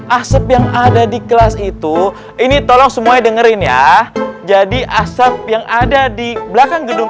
asap yang ada di kelas itu ini tolong semuanya dengerin ya jadi asap yang ada di belakang gedung